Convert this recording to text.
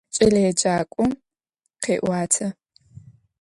Кӏэлэеджакӏом къеӏуатэ.